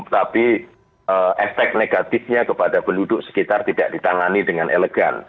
tapi efek negatifnya kepada penduduk sekitar tidak ditangani dengan elegan